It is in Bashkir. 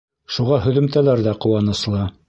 Шуға һөҙөмтәләр ҙә ҡыуаныслы.